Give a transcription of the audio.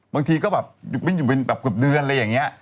บางทีก็อยู่เกือบเดือนอะไรอย่างนี้